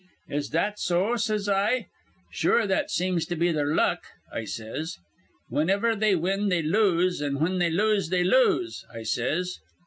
'Is that so?' says I. 'Sure that seems to be their luck,' I says. 'Whin iver they win, they lose; an', whin they lose, they lose,' I says.